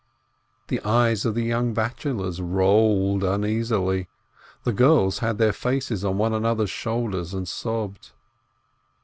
The eyes of the young bachelors rolled uneasily, the girls had their faces on one another's shoulders, and sobbed.